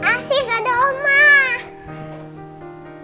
asyik nggak ada oma